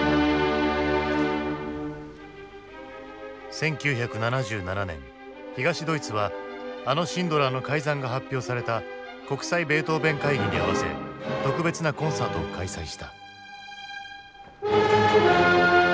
１９７７年東ドイツはあのシンドラーの改ざんが発表された国際ベートーヴェン会議に合わせ特別なコンサートを開催した。